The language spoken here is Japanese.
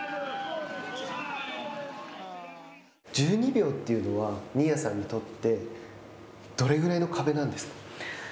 １２秒というのは新谷さんにとってどれぐらいの壁なんですか。